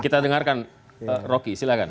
kita dengarkan rocky silahkan